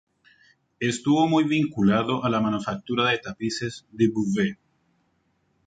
Estuvo muy vinculado a la manufactura de tapices de Beauvais.